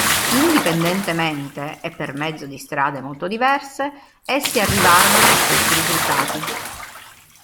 Indipendentemente, e per mezzo di strade molto diverse, essi arrivarono agli stessi risultati.